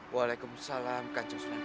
walaikum salam kanjeng sunandraja